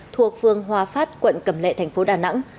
thuộc phường hòa phát quận cẩm lệ thành phố đà nẵng